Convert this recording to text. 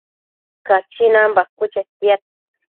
Cachinan bacuë chetiad